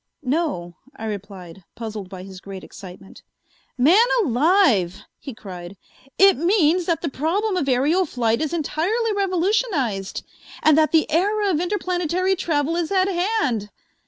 "No," I replied, puzzled by his great excitement. "Man alive," he cried, "it means that the problem of aerial flight is entirely revolutionized, and that the era of interplanetary travel is at hand!